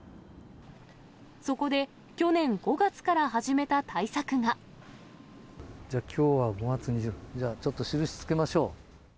そこで、去年５月から始めた対策じゃあ、きょうは５月２６日、ちょっと印つけましょう。